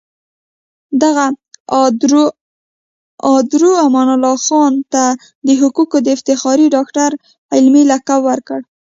دغو ادارو امان الله خان ته د حقوقو د افتخاري ډاکټرۍ علمي لقب ورکړ.